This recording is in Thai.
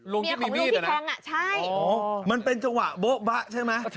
ลุงที่มีมีดอ่ะนะอ๋อมันเป็นจังหวะบ๊ะใช่ไหม